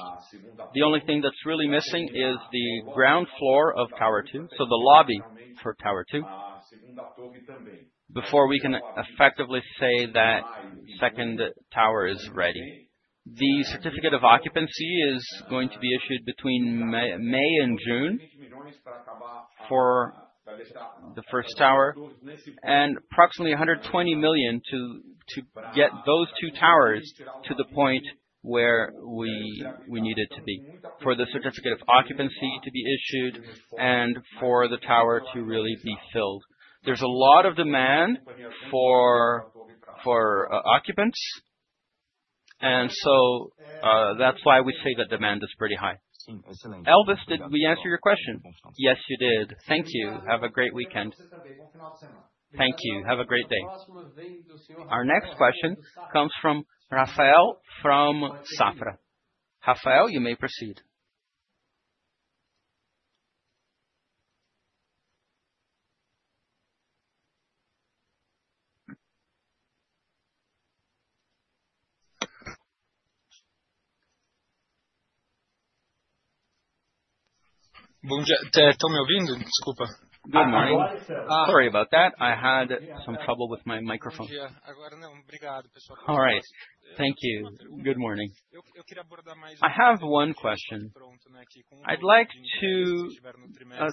The only thing that's really missing is the Ground Floor of Tower 2, so the lobby for Tower 2, before we can effectively say that second Tower is ready. The certificate of occupancy is going to be issued between May and June for the first tower and approximately 120,000,000 to to get those two towers to the point where we we needed to be for the certificate of occupancy to be issued and for the tower to really be filled. There's a lot of demand for for, occupants, and so, that's why we say that demand is pretty high. Elvis, did we answer your question? Yes, you did. Thank you. Have a great weekend. Thank you. Have a great day. Our next question comes from Rafael from Safra. Rafael, you may proceed. Good morning. Sorry about that. I had some trouble with my microphone. Alright. Thank you. Good morning. I have one question. I'd like to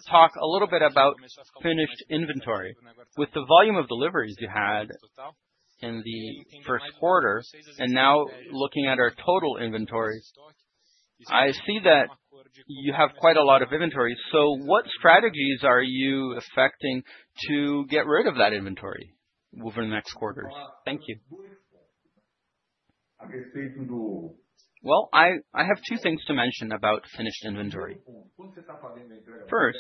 talk a little bit about finished inventory. With the volume of deliveries you had in the first quarter and now looking at our total inventory, I see that you have quite a lot of inventory. So what strategies are you affecting to get rid of that inventory over the next quarters? Thank you. Well, I I have two things to mention about finished inventory. First,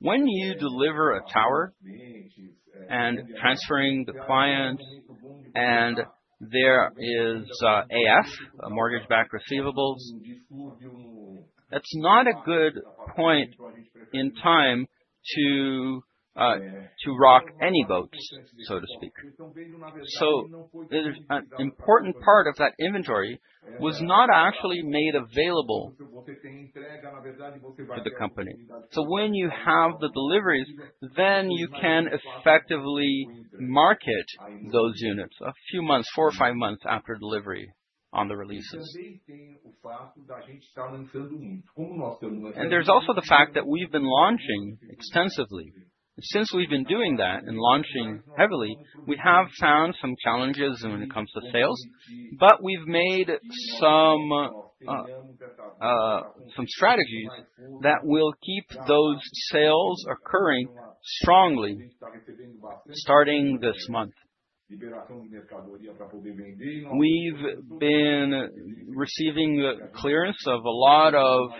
you deliver a tower and transferring the clients and there is, AF, mortgage backed receivables, that's not a good point in time to to rock any boats, so to speak. So there's an important part of that inventory was not actually made available to the company. So when you have the deliveries, then you can effectively market those units a few months, four or five months after delivery on the releases. And there's also the fact that we've been launching extensively. Since we've been doing that and launching heavily, we have found some challenges when it comes to sales, but we've made some, some strategies that will keep those sales occurring strongly starting this month. We've been receiving clearance of a lot of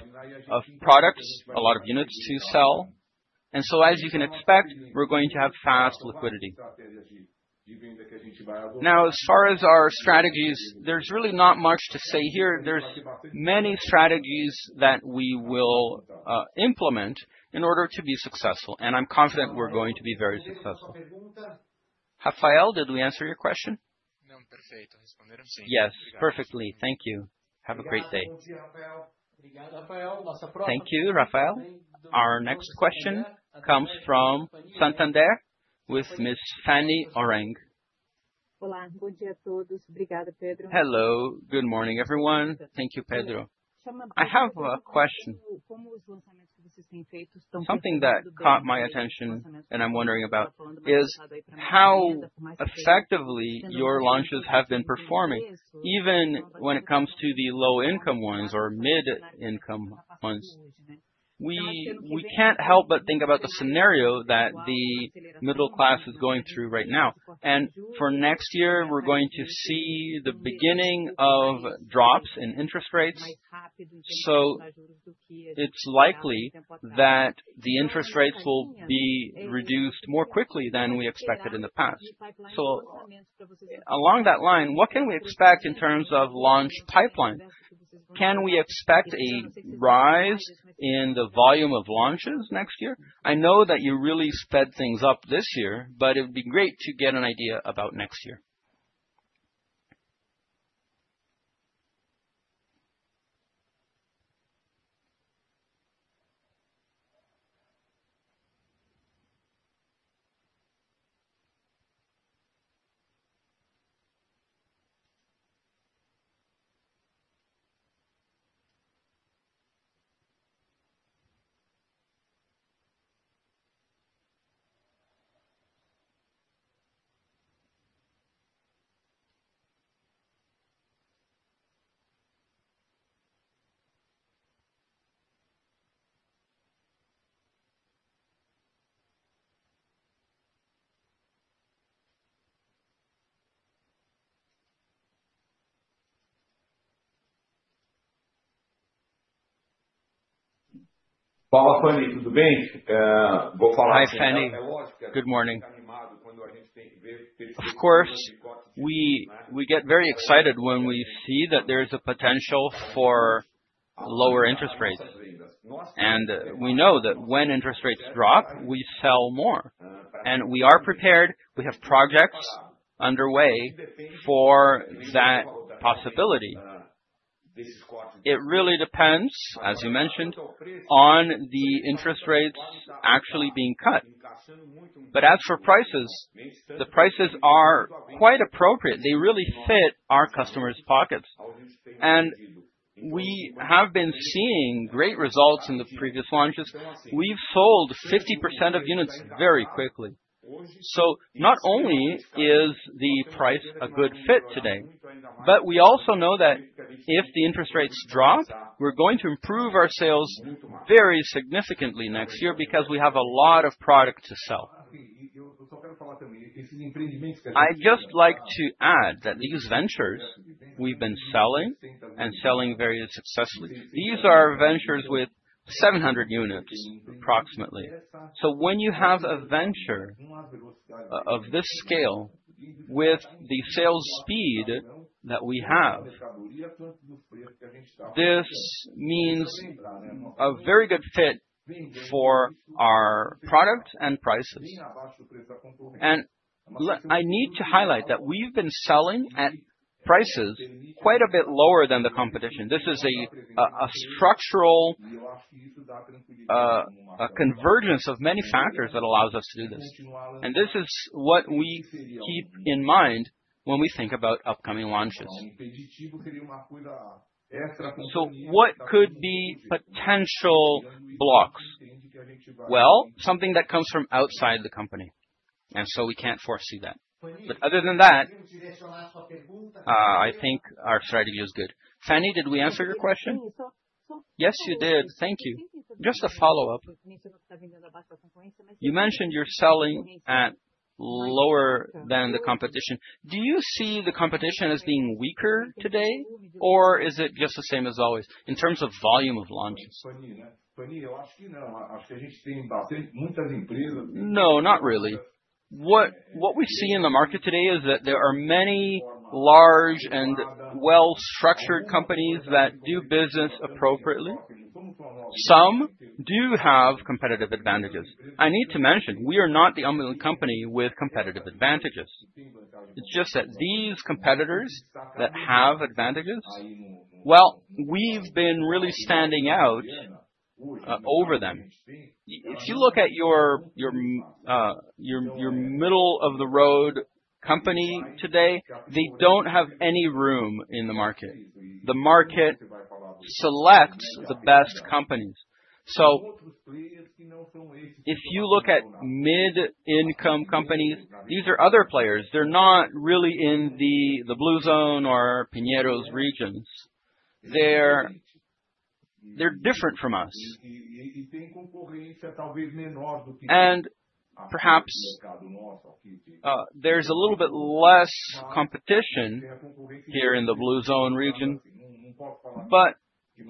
products, a lot of units to sell. And so as you can expect, we're going to have fast liquidity. Now as far as our strategies, there's really not much to say here. There's many strategies that we will implement in order to be successful, and I'm confident we're going to be very successful. Rafael, did we answer your question? Yes. Perfectly. Thank you. Have a great day. Thank you, Rafael. Our next question comes from Santander with Ms. Fannie Aurang. Hello. Good morning, everyone. Thank you, Pedro. I have a question. Something that caught my attention and I'm wondering about is how effectively your launches have been performing even when it comes to the low income ones or mid income ones. We we can't help but think about the scenario that the middle class is going through right now. And for next year, we're going to see the beginning of drops in interest rates. So it's likely that the interest rates will be reduced more quickly than we expected in the past. So along that line, what can we expect in terms of launch pipeline? Can we expect a rise in the volume of launches next year? I know that you really sped things up this year, but it would be great to get an idea about next year. Good morning. Of course, we get very excited when we see that there is a potential for lower interest rates. And we know that when interest rates drop, we sell more. And we are prepared. We have projects underway for that possibility. It really depends, as you mentioned, on the interest rates actually being cut. But as for prices, the prices are quite appropriate. They really fit our customers' pockets. And we have been seeing great results in the previous launches. We've sold 50 of units very quickly. So not only is the price a good fit today, but we also know that if the interest rates drop, we're going to improve our sales very significantly next year because we have a lot of product to sell. I'd just like to add that these ventures we've been selling and selling very successfully. These are ventures with 700 units approximately. So when you have a venture of this scale with the sales speed that we have, this means a very good fit for our product and prices. And I need to highlight that we've been selling at prices quite a bit lower than the competition. This is a structural convergence of many factors that allows us to do this. And this is what we keep in mind when we think about upcoming launches. So what could be potential blocks? Well, something that comes from outside the company, and so we can't foresee that. But other than that, I think our strategy is good. Fanny, did we answer your question? Yes. You did. Thank you. Just a follow-up. You mentioned you're selling at lower than the competition. Do you see the competition as being weaker today, or is it just the same as always in terms of volume of launches? No. Not really. What what we see in the market today is that there are many large and well structured companies that do business appropriately. Do have competitive advantages. I need to mention, we are not the only company with competitive advantages. It's just that these competitors that have advantages, well, we've been really standing out over them. If you look at your middle of the road company today, they don't have any room in the market. The market selects the best companies. So if you look at mid income companies, these are other players. They're not really in the the Blue Zone or Pineros regions. They're they're different from us. And perhaps, there's a little bit less competition here in the Blue Zone region. But,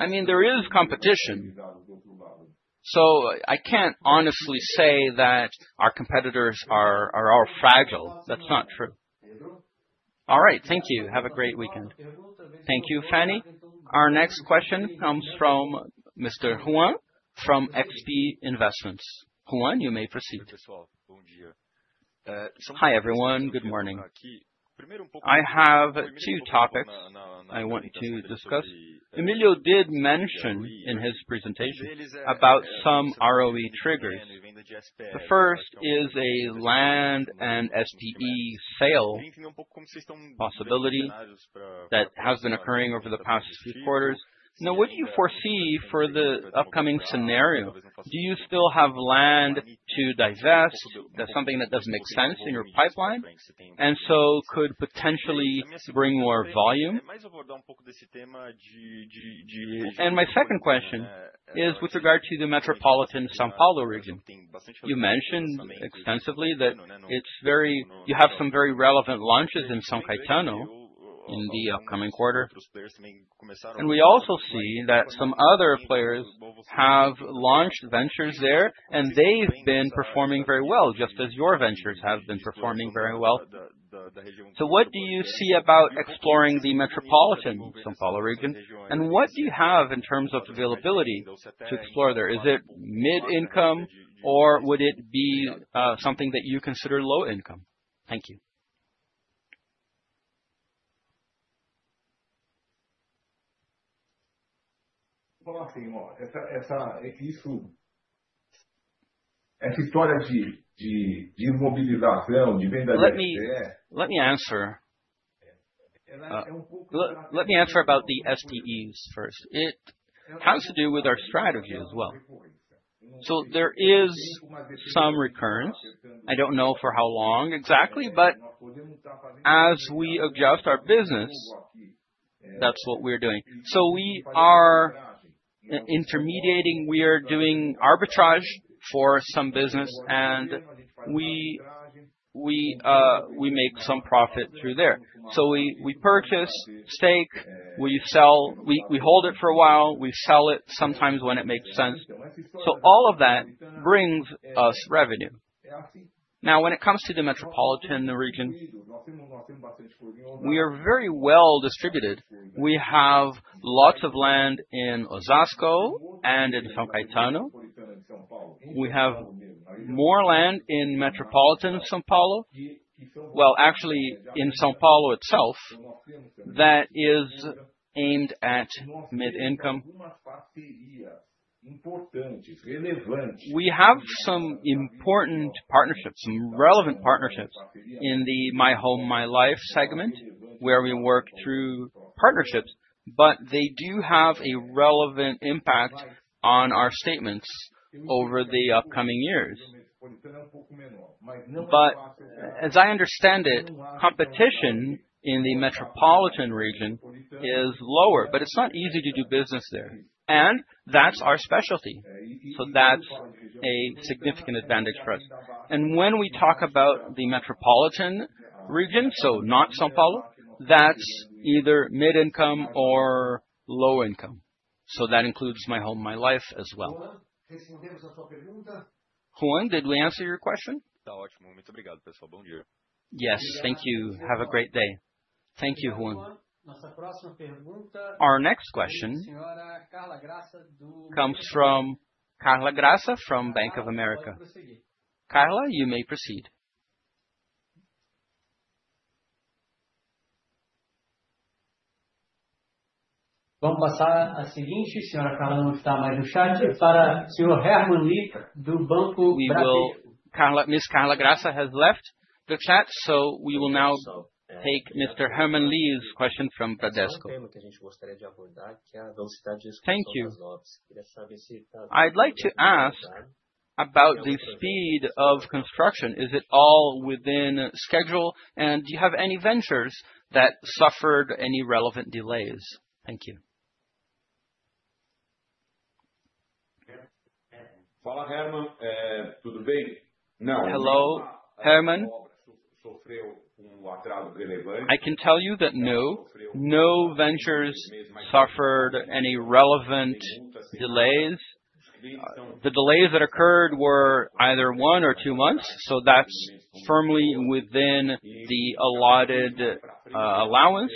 I mean, is competition. So I can't honestly say that our competitors are all fragile. That's not true. All right. Thank you. Have a great weekend. Thank you, Fanny. Our next question comes from Mr. Huan from XP Investments. Huan, you may proceed. Hi, everyone. Good morning. I have two topics I want to discuss. Emilio did mention in his presentation about some ROE triggers. The first is a land and SDE sale possibility that has been occurring over the past few quarters. Now what do you foresee for the upcoming scenario? Do you still have land to divest? That's something that doesn't make sense in your pipeline and so could potentially bring more volume? And my second question is with regard to the metropolitan Sao Paulo region. You mentioned extensively that it's very you have some very relevant launches in Sao Caetano in the upcoming quarter. And we also see that some other players have launched ventures there, and they've been performing very well just as your ventures have been performing very well. So what do you see about exploring the metropolitan Sao Paulo region? And what do you have in terms of availability to explore there? Is it mid income, or would it be, something that you consider low income? Thank you. Let me answer. Let me answer about the FTEs first. It has to do with our strategy as well. So there is some recurrence. I don't know for how long exactly, but as we adjust our business, that's what we're doing. So we are intermediating. We are doing arbitrage for some business, and we we make some profit through there. So we we purchase stake. We sell. We we hold it for a while. We sell it sometimes when it makes sense. So all of that brings us revenue. Now when it comes to the metropolitan region, we are very well distributed. We have lots of land in Ozasco and in Sao Caetano. We have more land in Metropolitan Sao Paulo. Well, actually, in Sao Paulo itself that is aimed at mid income. We have some important partnerships, some relevant partnerships in the My Home, My Life segment where we work through partnerships, but they do have a relevant impact on our statements over the upcoming years. But as I understand it, competition in the metropolitan region is lower, but it's not easy to do business there. And that's our specialty. So that's a significant advantage for us. And when we talk about the metropolitan region, so not Sao Paulo, that's either mid income or low income. So that includes my home, my life as well. Juan, did we answer your question? Yes. Thank you. Have a great day. Thank you, Juan. Our next question comes from Carla Graca from Bank of America. Carla, you may proceed. Will miss Carla Graca has left the chat, so we will now take mister Herman Lee's question from Pradesco. Thank I'd like to ask about the speed of construction. Is it all within schedule? And do you have any ventures that suffered any relevant delays? Thank you. Hello, Herman? I can tell you that no, no ventures suffered any relevant delays. The delays that occurred were either one or two months, so that's firmly within the allotted allowance.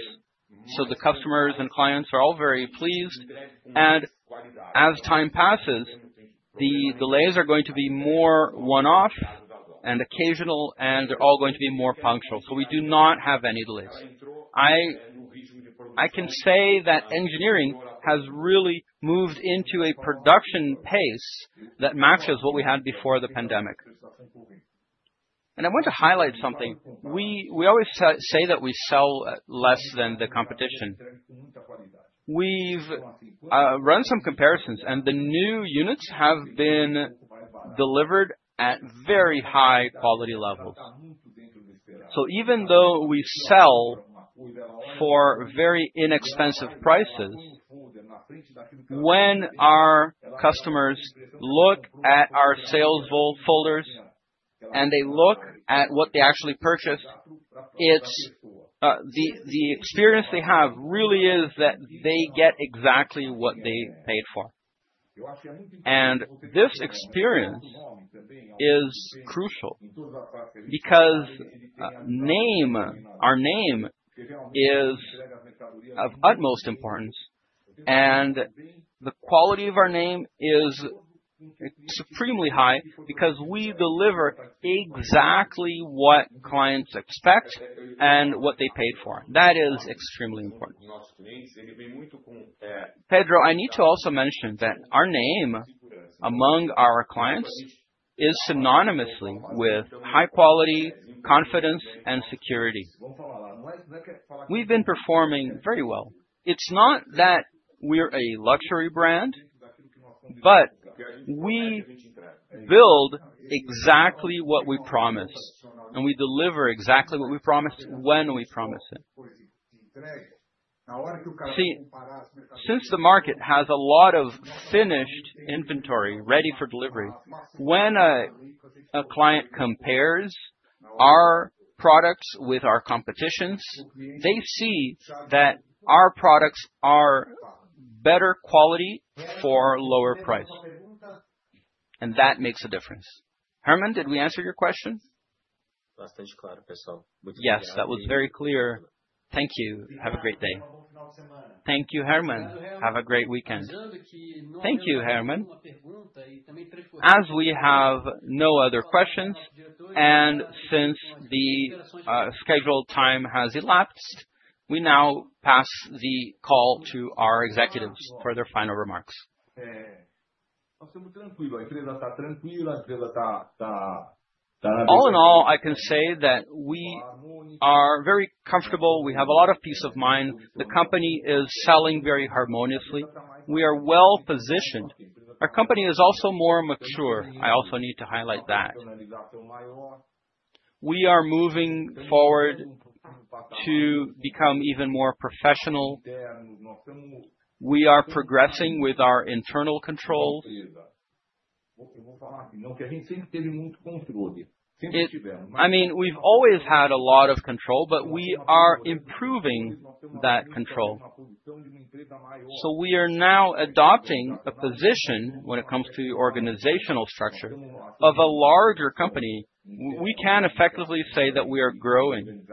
So the customers and clients are all very pleased. And as time passes, the delays are going to be more one off and occasional, and they're all going to be more punctual. So we do not have any delays. I I can say that engineering has really moved into a production pace that matches what we had before the pandemic. And I want to highlight something. We we always say that we sell less than the competition. We've run some comparisons and the new units have been delivered at very high quality levels. So even though we sell for very inexpensive prices, when our customers look at our sales folders and they look at what they actually purchased, it's, the the experience they have really is that they get exactly what they paid for. And this experience is crucial because name our name is of utmost importance, and the quality of our name is extremely high because we deliver exactly what clients expect and what they paid for. That is extremely important. Pedro, I need to also mention that our name among our clients is synonymously with high quality, confidence and security. We've been performing very well. It's not that we're a luxury brand, but we build exactly what we promise, and we deliver exactly what we promise when we promise it. See, since the market has a lot of finished inventory ready for delivery, when a client compares our products with our competitions, they see that our products are better quality for lower price. And that makes a difference. Herman, did we answer your question? Yes. That was very clear. Thank you. Have a great day. Thank you, Herman. Have a great weekend. Thank you, Herman. As we have no other questions and since the scheduled time has elapsed, we now pass the call to our executives for their final remarks. All in all, I can say that we are very comfortable. We have a lot of peace of mind. The company is selling very harmoniously. We are well positioned. Our company is also more mature. I also need to highlight that. We are moving forward to become even more professional. We are progressing with our internal controls. I mean, we've always had a lot of control, but we are improving that control. So we are now adopting a position when it comes to the organizational structure of a larger company. We can effectively say that we are growing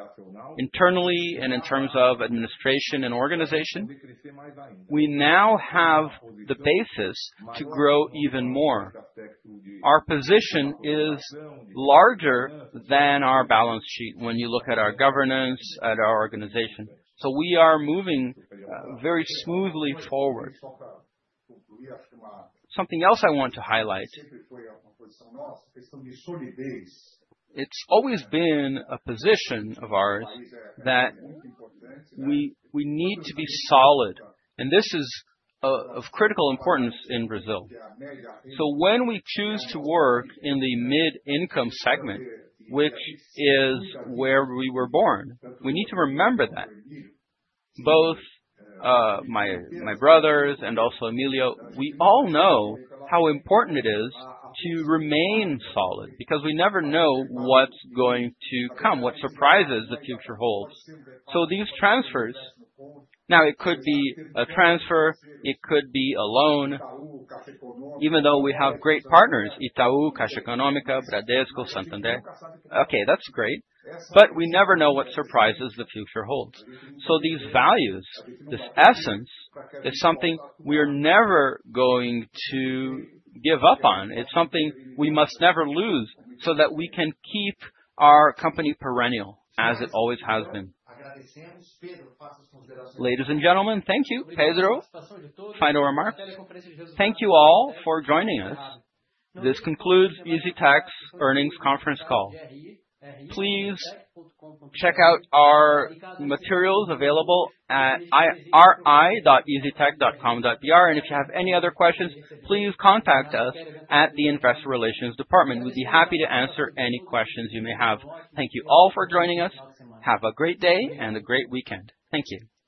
internally and in terms of administration and organization. We now have the basis to grow even more. Our position is larger than our balance sheet when you look at our governance, at our organization. So we are moving very smoothly forward. Something else I want to highlight. It's always been a position of ours that we we need to be solid, and this is of critical importance in Brazil. So when we choose to work in the mid income segment, which is where we were born, we need to remember that. Both, my my brothers and also Emilio, we all know how important it is to remain solid because we never know what's going to come, what surprises the future holds. So these transfers now it could be a transfer, it could be a loan, Even though we have great partners, Itau, Casa Economica, Bradesco, Santander. Okay. That's great. But we never know what surprises the future holds. So these values, this essence is something we are never going to give up on. It's something we must never lose so that we can keep our company perennial as it always has been. Ladies and gentlemen, thank you, Pedro. Final remarks. Thank you all for joining us. This concludes EasyTech's earnings conference call. Please check out our materials available at iri.easytech.com.br. And if you have any other questions, please contact us at the Investor Relations department. We'd be happy to answer any questions you may have. Thank you all for joining us. Have a great day and a great weekend. Thank you. Hi.